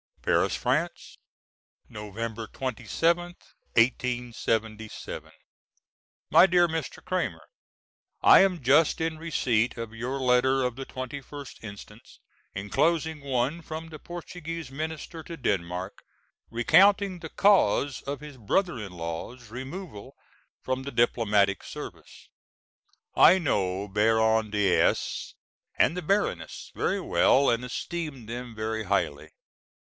Paris France, Nov. 27th, '77. MY DEAR MR. CRAMER: I am just in receipt of your letter of the 21st inst. enclosing one from the Portuguese Minister to Denmark recounting the cause of his brother in law's removal from the diplomatic service. I know Baron de S , and the Baroness very well and esteem them very highly.